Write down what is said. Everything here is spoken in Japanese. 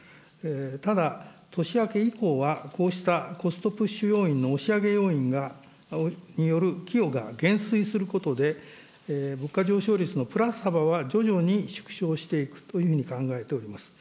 ただ、年明け以降は、こうしたコストプッシュ要因の押し上げ要因による寄与が減衰することで、物価上昇率のプラス幅は徐々に縮小していくというふうに考えております。